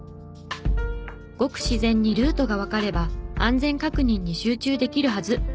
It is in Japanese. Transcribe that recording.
ごく自然にルートがわかれば安全確認に集中できるはず。